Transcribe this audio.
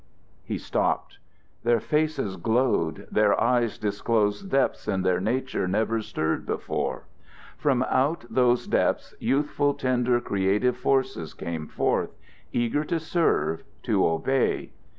He stopped. Their faces glowed; their eyes disclosed depths in their natures never stirred before; from out those depths youthful, tender creative forces came forth, eager to serve, to obey.